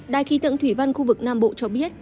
đài khí tượng thủy văn khu vực nam bộ cho biết